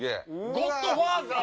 『ゴッドファーザー』！